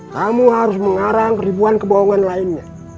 kamu harus mengarang ribuan kebohongan lainnya